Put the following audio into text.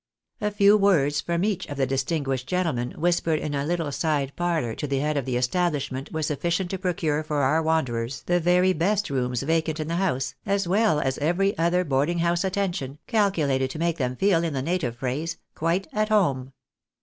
A few words from each of the distinguished gentlemen, whispered in a little side parlour to the head of the establishment, were sufficient to procure for our wanderers the very best rooms vacant in the house, as well as every other boarding house attention, calculated to make them feel, in the native phrase, " quite at home."